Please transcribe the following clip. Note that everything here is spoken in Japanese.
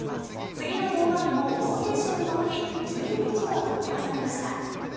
次の登板日もローテーションを守り１２日と発表されました。